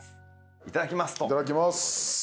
いただきます。